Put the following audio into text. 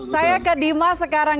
saya ke dimas sekarang